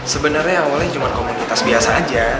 sebenarnya awalnya cuma komunitas biasa aja